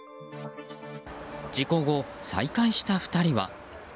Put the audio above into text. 事故後、再会した２人は。